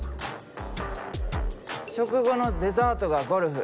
食後のデザートがゴルフ。